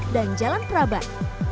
dan jalan prabat